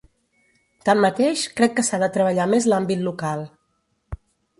Tanmateix, crec que s’ha de treballar més l’àmbit local.